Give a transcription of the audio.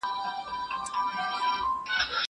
کېدای سي خبري اوږدې وي؟!